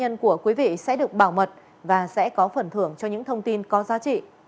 thông tin của quý vị sẽ được bảo mật và sẽ có phần thưởng cho những thông tin có giá trị